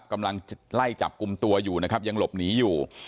กำลังไล่จับกลุ่มตัวอยู่นะครับยังหลบหนีอยู่